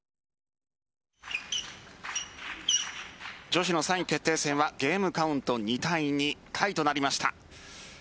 女子の３位決定戦はゲームカウント２対２、タイとなりました。